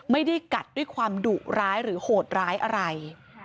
ไม่ได้กัดด้วยความดุร้ายหรือโหดร้ายอะไร